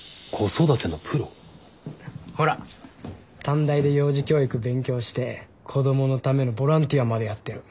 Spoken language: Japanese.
ほら短大で幼児教育勉強して子どものためのボランティアまでやってる。